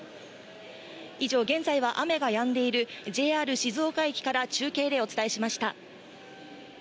以上、現在は雨がやんでいるＪＲ静岡駅から中継でお伝えしました。